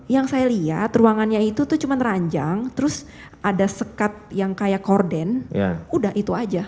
yang saya lihat ruangannya itu tuh cuma ranjang terus ada sekat yang kayak korden udah itu aja